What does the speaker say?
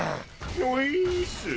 おいっす。